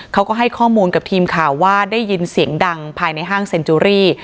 เขาก็ให้ข้อมูลกับทีมข่าวว่าได้ยินเสียงดังภายในห้างเซ็นจูรี่